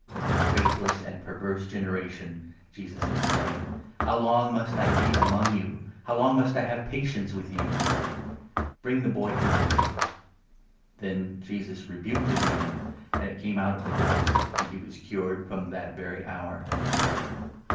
The Power "O faithless and perverse generation !" Jesus of Faith, exclaimed, "how long must I be among you? how long must I have patience with you ? Bring the boy here to me." Then Jesus rebuked the demon, and it came out of the boy ; and he was cured from that very hour.